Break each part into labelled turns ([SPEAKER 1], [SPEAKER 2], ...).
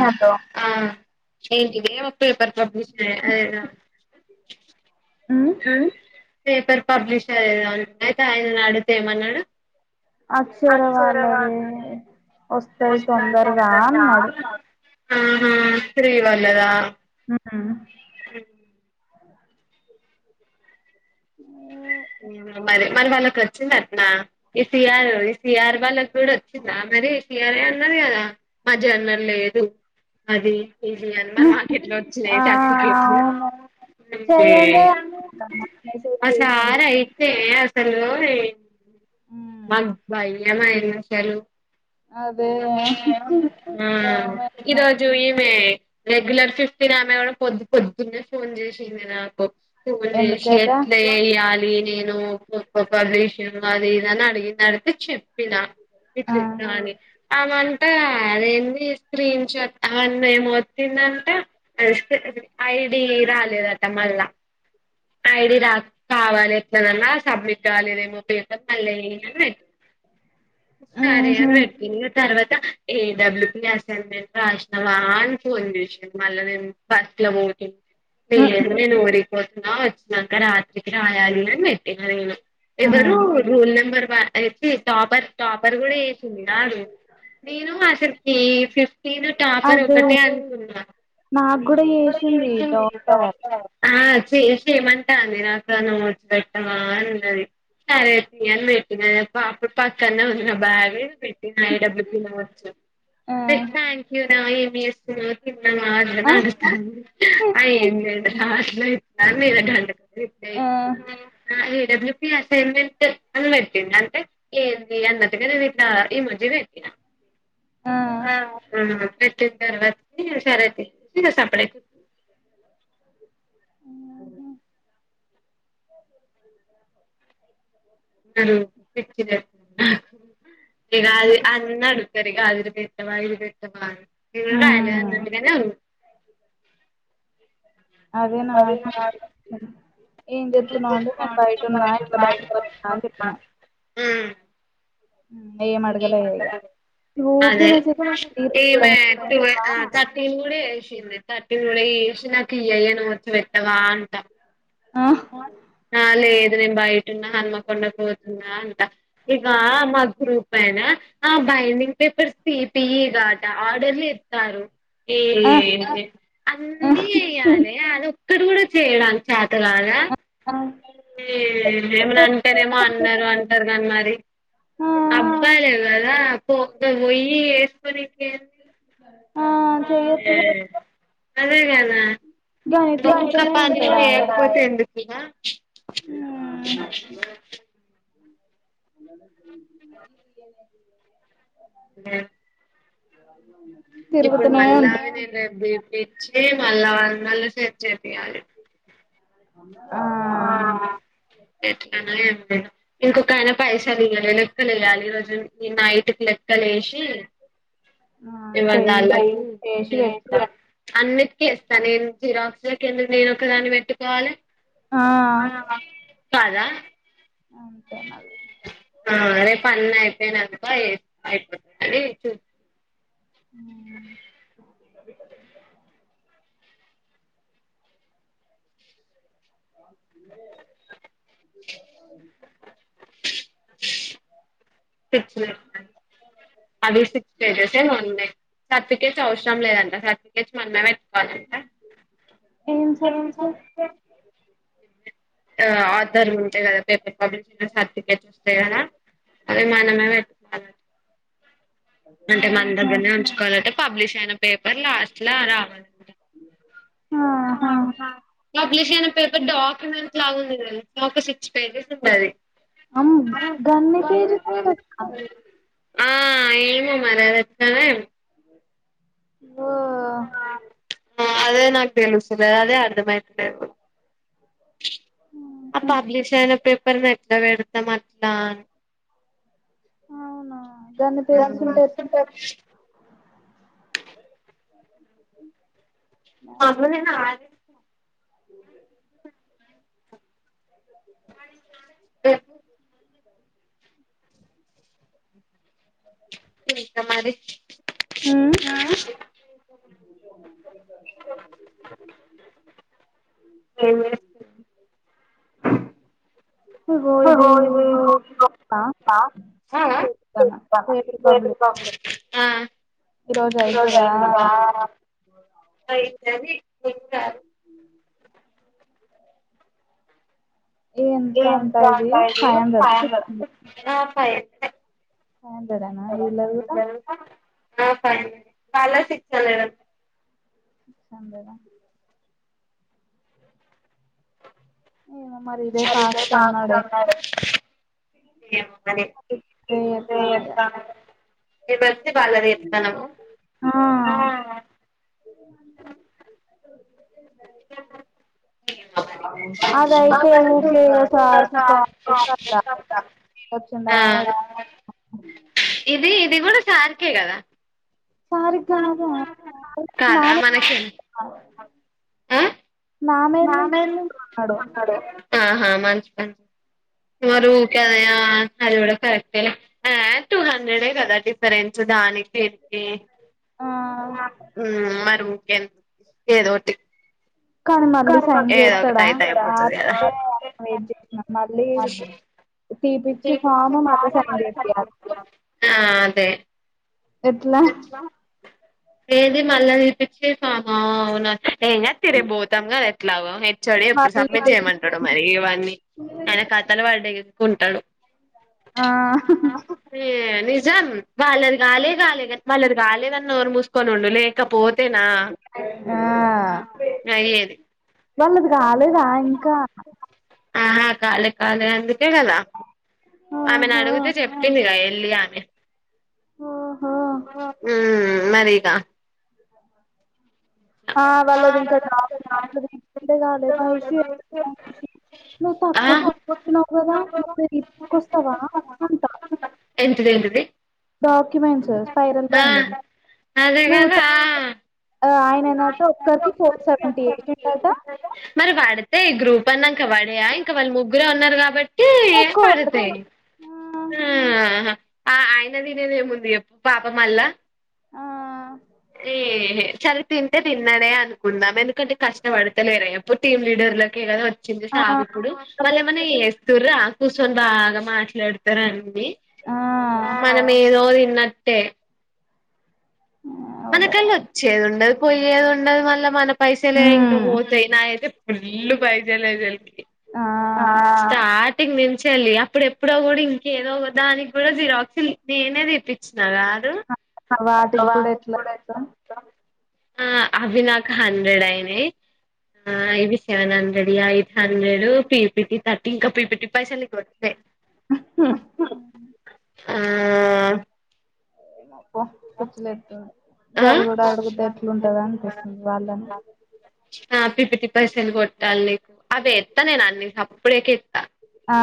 [SPEAKER 1] Hello ఏంటి వేవ్ paper publish ఆ ఏదో,
[SPEAKER 2] ఉమ్
[SPEAKER 1] పేపర్ పబ్లిష్ ఏదో అన్ తాయ్ నేను అడుగుతే ఏమన్నాడు.
[SPEAKER 2] అక్షర వాళ్ళది వస్తది తొందరగా అన్నాడు.
[SPEAKER 1] ఆహా స్త్రీ వళ్ళదా
[SPEAKER 2] ఆ ఆ
[SPEAKER 1] మరి మరి వాళ్ళకి వచ్చిందట్నా ఈ సిఆర్ ఈ సిఆర్ వాళ్ళకి కూడా వచ్చిందా మరి ఈ సిఆర్ అన్నాది కదా మాజ్యన్నాం ఈడ్ లేదు అది ఇది అన మాట ఇంట్లోచ్చినాయి
[SPEAKER 2] ఆ
[SPEAKER 1] సర్టిఫికెట్లు
[SPEAKER 2] అవును చెయ్యందే అనుకుంటాన్న మెసేజ్
[SPEAKER 1] మా
[SPEAKER 2] చేసింది
[SPEAKER 1] సార్ ఇతే అసలు ఏమో
[SPEAKER 2] ఉమ్
[SPEAKER 1] మాకు భయమ్ అయింది అసలు
[SPEAKER 2] అదే
[SPEAKER 1] హ్మ్
[SPEAKER 2] భయమైతుంది
[SPEAKER 1] ఈరోజు
[SPEAKER 2] నాకు
[SPEAKER 1] ఇవే రెగ్యులర్ ఫిఫ్టీన్ ఆమె పొద్ పొద్దున్న ఫోన్ చేసింది నాకు
[SPEAKER 2] ఎందుకట
[SPEAKER 1] ఎట్లా ఎయ్యాలి నేను ఒ ఒక్కొక్క పది విష్యాలు అది ఇదని అడిగిన అడితే చెప్పినా
[SPEAKER 2] ఆ
[SPEAKER 1] ఇట్లా చెప్పినవ్ అని అమంతా అదేంది స్క్రీన్ షాట్ అవన్నీ ఏమొతుందంటే ఐడి రాలేదట మళ్ళా ఐడి రాలేదట కావాలి ఎట్లనన్నా సబ్మిట్ జలేదేమో [unintelligible] సరే
[SPEAKER 2] ఉహు
[SPEAKER 1] అని పెట్టిన తర్వాత ఏడబ్ల్యూ బి అసైన్మెంట్ రాసినవా అని ఫోన్ చేసిండు. మళ్ళా నేను ఫస్ట్ లో పోతు [unintelligible] నూరి పోతున్నా వచ్చిన్నాక రాత్రికి రాయాలి. అని పెట్టిన నేను ఎవరు
[SPEAKER 2] ఉమ్
[SPEAKER 1] రూల్ నెంబర్ [unintelligible] టాపర్ టాపర్ కూడా వేసింది నాడు నేను అసలుకి ఫిఫ్టీన్ టాపర్
[SPEAKER 2] అదే
[SPEAKER 1] ఒకటే అనుకున్నాను.
[SPEAKER 2] నాకు కూడా చేసింది టాపర్
[SPEAKER 1] ఆచ్ టేస్ట్ చేయమంటా అంది నాకు అన్నం వొచ్చి పెట్టమా అన్నది సరే తీ అని పెట్టిన పాప్పుడు పక్కన ఉన్న బ్యాగి పెట్ [unintelligible] ఐడబ్లు
[SPEAKER 2] ఆ
[SPEAKER 1] థ్యాంక్యూ యూ రా ఏమ్ చేస్తున్నావ్
[SPEAKER 2] ఆ
[SPEAKER 1] [unintelligible] లాస్ట్ లో చెప్తా [unintelligible] [unintelligible] ఏ డబ్ల్యూ నేను అసైన్మెంట్ పెట్నా పెట్టిండు అంటే ఏంది అన్నట్గా నేన్ ఇట్లా ఈ మధ్య పెట్టిన ఆ [unintelligible] సరే తియ్ సప్పుడేక అ [unintelligible] ఇగా అన్నీ అడుగుతారు. ఇగా పెట్టవా ఇది పెట్టవాని నేను రాయాలే
[SPEAKER 2] ఉమ్
[SPEAKER 1] అన్నట్టుగానే ఉన్నా అదే నాకు
[SPEAKER 2] ఏం చెప్తున్నావు అంటే నేను బయట ఉన్నా ఇట్లా బయటకు వచ్చినా అని చెప్పిన
[SPEAKER 1] హ్మ్
[SPEAKER 2] ఉమ్, ఏం
[SPEAKER 1] అదే
[SPEAKER 2] అడగలే ఇగ
[SPEAKER 1] [unintelligible]
[SPEAKER 2] ఊకే మెసేజ్ ఈ రోజు
[SPEAKER 1] సప్లి
[SPEAKER 2] కూడా ఇంటికి పోయినవా
[SPEAKER 1] కూడా చేష్
[SPEAKER 2] అన్నాడు
[SPEAKER 1] థర్టీ కూడా చేసిన [unintelligible] పెట్టవా అంటా
[SPEAKER 2] ఆ
[SPEAKER 1] ఆ లేదు నేను బయ హన్మకొండ పోతున్నా అంట ఇకా మా గ్రూప్ అయినా ఆ బైండింగ్ పేపర్ తీపియ్ ఇగా అట ఆర్డర్ చేత్తర్రు. ఏ
[SPEAKER 2] ఆ
[SPEAKER 1] అన్నీ చెయ్యాలే అద ఇక్కడ కూడా చేయడానికి చాత న
[SPEAKER 2] ఆ
[SPEAKER 1] మరి ఏమనా అంటారేమో అన్నారు అంటారు కాని మరి
[SPEAKER 2] ఆ
[SPEAKER 1] అబ్బా లేవదా అప్పు అ పోయ్యి ఏసుని
[SPEAKER 2] ఆ చెయ్యొచ్చుగా
[SPEAKER 1] గదే కదా
[SPEAKER 2] గాని తిరుగుతూనే
[SPEAKER 1] [unintelligible]
[SPEAKER 2] ఉంటాడాయే
[SPEAKER 1] లేకపోతె ఎందుకు కినా ఆ
[SPEAKER 2] అలా
[SPEAKER 1] అ
[SPEAKER 2] అ
[SPEAKER 1] [unintelligible]
[SPEAKER 2] అవు
[SPEAKER 1] ఇప్పుడు మళ్ళా నేను [unintelligible] ఏ మళ్ళా మళ్ళీ సెట్ చేపియాలి.
[SPEAKER 2] అ
[SPEAKER 1] [unintelligible] ఇంకొక ఆయనా పైసాలు ఇయ్యాలే లెక్కలు ఎయ్యాలి. ఈ రోజు ఈ నైట్కి లెక్కలు యెషి
[SPEAKER 2] ఆ
[SPEAKER 1] ఇగ
[SPEAKER 2] చెయ్యి
[SPEAKER 1] జాల్లె
[SPEAKER 2] చేసి
[SPEAKER 1] తెనే
[SPEAKER 2] పెట్టు
[SPEAKER 1] సి అన్నిటికి ఇస్తాను నేను జీరాక్స్ కింద నేను ఒక దాన్ని పెట్టుకోవాలి
[SPEAKER 2] ఆ
[SPEAKER 1] కాదా
[SPEAKER 2] అంతె మల్
[SPEAKER 1] ఆ రేపు అన్న అయిపోయినంతక ఎస్ అయిపోతుందండి చూ
[SPEAKER 2] ఉ [inaudible] ఫామ్ ఫిల్లె [inaudible]
[SPEAKER 1] తెచ్చి పెడతాంది అది సిక్స్జెస్త్ కెస్ అవసరం లేదంట సర్టికెట్ మనమే
[SPEAKER 2] ఏం సర్టిఫికేట్
[SPEAKER 1] ఆధర్ [inaudible] చెయాల అది మానమీదె ఆధా అంటే మన
[SPEAKER 2] ఆహా
[SPEAKER 1] దగ్గర్నే ఉంచుకోవాలంటే పబ్లిష్ అయిన పేపర్ లాస్ట్ లా రావాలండి ఆహా పబ్లిష్ అయిన పేపర్ డాక్యుమెంట్ లాగు ఉంది కద ఒక సిక్స్ పేజెస్ ఉంటది
[SPEAKER 2] అమ్ గన్ని పేజీల
[SPEAKER 1] ఆ ఏమో మరి అది ఎట్లానో ఏమో
[SPEAKER 2] ఓ
[SPEAKER 1] ఆ అదే నాకు తెలుసలేదు అదే అర్థమయతలేదు ఆ
[SPEAKER 2] ఆహా.
[SPEAKER 1] పబ్లిష అయిన పే మరి నెట్ల పెడతాం అట్లా
[SPEAKER 2] అవునా గన్ని పేజెస్ ఉంటే ఎట్లా
[SPEAKER 1] మన ఆ
[SPEAKER 2] [inaudible]
[SPEAKER 1] డ్ ఇంకా మరి ఏం
[SPEAKER 2] అ
[SPEAKER 1] చేస్తున్నావ్ ఒహో ఇది ఒకటి
[SPEAKER 2] చూస్తానా రేపు పబ్లిష్
[SPEAKER 1] [unintelligible] [inaudible] ఆ
[SPEAKER 2] ఈ రోజు
[SPEAKER 1] ఈరోజు అయితదా ఆ [inaudible] ఎంత అంటా ఇది ఫైవ్ హండ్రెడ్ ఆ హండ్రెడ్ ఆ
[SPEAKER 2] ఫైవ్ అండ్రెడ్ ఏనా వీళ్లది గూడ
[SPEAKER 1] ఆ ఫైవ్ అండ్రెడ్ వాళ్ళ ది సిక్స్ హండ్రెడ్
[SPEAKER 2] ఎగ్జామ్ లేదా
[SPEAKER 1] మరి ఇదే ఫాస్ట్ అన్నాడే ఏమో
[SPEAKER 2] [inaudible] ఆ
[SPEAKER 1] [inaudible] ఏమో మరి
[SPEAKER 2] అదయితే ఊపి [inaudible] వచ్చిందా
[SPEAKER 1] ఆ ఇది ఇది గూడా సార్కే కదా
[SPEAKER 2] సార్ కాదు నా
[SPEAKER 1] కాదా మనకే
[SPEAKER 2] మీద
[SPEAKER 1] నా
[SPEAKER 2] నుంచి అన్నాడు
[SPEAKER 1] ఆహా మంచి ప మరుకే అది గూడా కరెక్ట లే ఎ టూ హండ్రెడే గదా డిఫరెన్స్ దానికి స
[SPEAKER 2] ఆ
[SPEAKER 1] మరి ఊకే ఏదోటి
[SPEAKER 2] కానీ మళ్ళీ సైన్
[SPEAKER 1] ఏదోకటి
[SPEAKER 2] చేస్తాడా
[SPEAKER 1] అయిపోతే
[SPEAKER 2] ఆ
[SPEAKER 1] అయిపోతది
[SPEAKER 2] రోజే
[SPEAKER 1] కదా
[SPEAKER 2] వెయిట్ చేసిన మళ్ళీ తీపిచ్చి ఫామ్ మళ్ళ సైన్ చేపియాలి
[SPEAKER 1] ఆ అదే
[SPEAKER 2] ఎట్లా
[SPEAKER 1] ఏది మళ్ళ విలిపించే ఆహా అవును ఏం కద తిరి భోతాం కద ఎట్లాగో హెచ్ఓడి ఇప్పుడు సబ్మిట్
[SPEAKER 2] మళ్ళీ
[SPEAKER 1] చేయమంటాడు మరి ఇవన్నీ ఆయన కతలు వాళ్ళ ఉంటాడు ఆ అ జ బాల [unintelligible] మల్లది గాలేదన్ నోరు మూసుకొనుండు లేకపోతే
[SPEAKER 2] ఆ
[SPEAKER 1] అయ్యేది
[SPEAKER 2] వాళ్ళది కాలేదా ఇంకా
[SPEAKER 1] ఆహా కాల కాలే అ గల్ల ఆమెను
[SPEAKER 2] ఓహో
[SPEAKER 1] అడుగుతే చెప్పింది గా వెలిమె
[SPEAKER 2] ఓహో
[SPEAKER 1] ఆ అన్నారిక
[SPEAKER 2] ఆ వాళ్ళది ఇంకా
[SPEAKER 1] ఆ
[SPEAKER 2] నువ్వు [unintelligible] కదా తీకొస్తావా అంట
[SPEAKER 1] ఎంటిది ఎంటిది
[SPEAKER 2] డాక్యుమెంట్స్ స్పైైరల్ బైడింగ్
[SPEAKER 1] అదే కదా
[SPEAKER 2] ఆ ఆయన తట ఒక్కకి ఫోర్ సెవెంటీ ఎయిట్ంట
[SPEAKER 1] మరి పడితే ఈ గ్రూప్ అన్నా ఇంక పడే ఇంకా వాళ్ళు ముగ్గురే ఉన్నారు కాబట్టి ఏ ఏ
[SPEAKER 2] ఎక్కువ
[SPEAKER 1] పడుతే
[SPEAKER 2] పడతాయి ఆ
[SPEAKER 1] ఆ ఆయన తినేది ఏముంది ఎప్పు పాప మళ్ళా
[SPEAKER 2] ఆ
[SPEAKER 1] ఏహ సరే తింటే తిన్నానే అనుకుందాం ఎందుకంటే కష్టపడితే లేరా ఎప్పు టీమ్ లీడర్లకే కదా వచ్చింది
[SPEAKER 2] ఆ
[SPEAKER 1] సావి ఇప్పుడు వాళ్ళు
[SPEAKER 2] అదే
[SPEAKER 1] ఏమన్నా ఎస్తూర చూసుకొని బాగా మాట్లాడుత ఇస్తార అండి
[SPEAKER 2] ఆ
[SPEAKER 1] మనం ఏదోజ అన్నట్ట
[SPEAKER 2] ఆ! ఓవర్
[SPEAKER 1] మనకాల
[SPEAKER 2] యాక్షన్
[SPEAKER 1] వచ్చేండ అ పోయి మ మ పైసలు ఇంకా
[SPEAKER 2] హ్మ్
[SPEAKER 1] పోతే నా అయితే ఫుల్ పైస లేజలికిట్
[SPEAKER 2] ఆ
[SPEAKER 1] [unintelligible] అప్పుడు ఎప్పుడో కూడా ఇంకేదో దానికి కూడా జిరాక్స్ నేనే తేఇప్పించి నాద్
[SPEAKER 2] వాటికి కూడా
[SPEAKER 1] రాదు
[SPEAKER 2] ఎట్లా
[SPEAKER 1] ఇప్పుడే
[SPEAKER 2] అర్థం
[SPEAKER 1] వచ్చినంక ఆ అవి నాకు హండ్రెడ్ అయినాయి, ఆ ఇవి seven hundred, eight hundred, P PPT thirty ఇంకా పీపిటీ పైసలు కోట్
[SPEAKER 2] హు హ్
[SPEAKER 1] ఆ
[SPEAKER 2] ఏమప్పో కుచ్చులేత్తుంది
[SPEAKER 1] ఆ
[SPEAKER 2] గవి కూడా ఆడుగుద్దా ఎట్లాంటందో అనిపిస్తుంది వాళ్ళని
[SPEAKER 1] ఆ పి పిటి పైసను కొట్టాలి నీకు అవి ఎత్తా నేను అన్నీ అప్పుడే
[SPEAKER 2] ఆ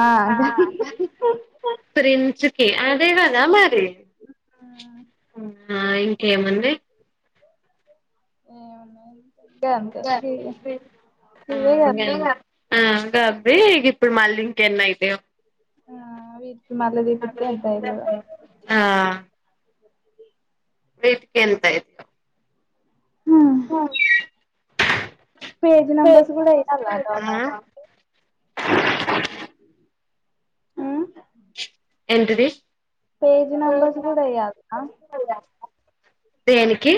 [SPEAKER 1] ప్రస్ ఓకే అదేవాదా మరి ఆ ఆ ఇంకేమండి
[SPEAKER 2] ఏ
[SPEAKER 1] ఆ
[SPEAKER 2] ఇవే కదా
[SPEAKER 1] [unintelligible] ఆ కబ్బీ ఇప్పుడు మళ్ళీ ఇంకెన్ని అయితయో
[SPEAKER 2] ఆ వీటికి మళ్ళీ తీపిత్తే ఎంత అయితదో
[SPEAKER 1] ఆ వెయిట్కి ఎంత అయితయో ఉ మ్
[SPEAKER 2] పేజ్ నెంబర్స్ కూడా వెయ్యాలా డాక్యుమెంట్ క్
[SPEAKER 1] ఎంతిది
[SPEAKER 2] పేజ్ నెంబర్స్ కూడా ఇయ్యాలా
[SPEAKER 1] దేనికి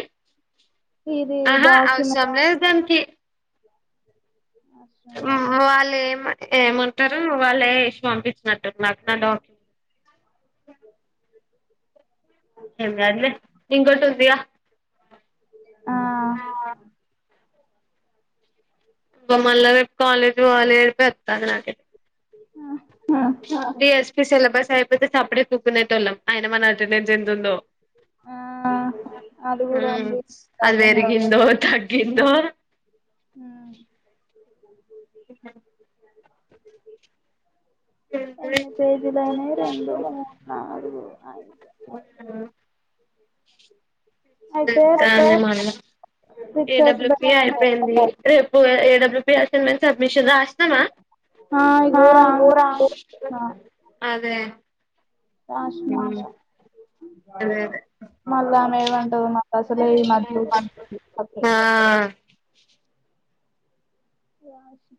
[SPEAKER 2] ఇది
[SPEAKER 1] ఆహా
[SPEAKER 2] డాక్యుమెంట్
[SPEAKER 1] అవసామ్ లే డానికీ
[SPEAKER 2] అవసరం లేదా
[SPEAKER 1] వాళ్ళు ఏమంటారు వాళ్ళు పంపిస్తారు హమ అదలే నింగ్టి ఉందయా ఆ ఇ మళ్ళా రేపు కాలేజ్ వాలిపో వస్తారు నాక
[SPEAKER 2] ఆ
[SPEAKER 1] బిఎస్పి సిలబస్ అయిపోతే సప్పుడే కూక్కునేట వాళ్ళం ఆయన మన అటెండెన్స్ ఎంతు ఉందో
[SPEAKER 2] ఆ అది
[SPEAKER 1] హ
[SPEAKER 2] కూడా
[SPEAKER 1] అది
[SPEAKER 2] ఉంది
[SPEAKER 1] వెరిగిందో త గిండోర్
[SPEAKER 2] అ ఎన్ని పేజదైనే రెండు ముడు నల్గు ఆ అయితే
[SPEAKER 1] ఆ
[SPEAKER 2] పిక్చర్స్ బె
[SPEAKER 1] ఏడబ్ల్యూ అయిపోయింది ఏడబ్ల్యూ ప అసైన్మెట్ సబ్మిషన్
[SPEAKER 2] ఆ ఇగో రాంగ్
[SPEAKER 1] అదే
[SPEAKER 2] రాష్ంగా
[SPEAKER 1] అదే అదే
[SPEAKER 2] మళ్ళామె ఏమంటదు అసలే మ
[SPEAKER 1] ఆ
[SPEAKER 2] రాసి